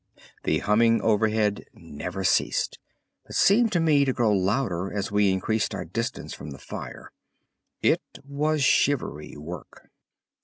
The humming overhead never ceased, but seemed to me to grow louder as we increased our distance from the fire. It was shivery work!